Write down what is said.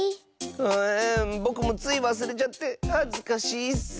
えっぼくもついわすれちゃってはずかしいッス。